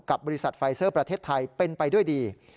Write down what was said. บริษัทไฟเซอร์ประเทศไทยเป็นไปด้วยดี